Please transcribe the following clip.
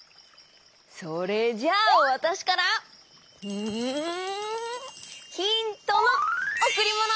それじゃあわたしからうんヒントのおくりもの！